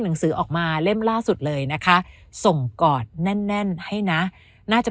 หนังสือออกมาเล่มล่าสุดเลยนะคะส่งกอดแน่นแน่นให้นะน่าจะ